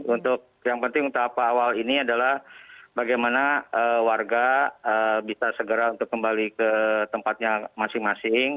untuk yang penting tahap awal ini adalah bagaimana warga bisa segera untuk kembali ke tempatnya masing masing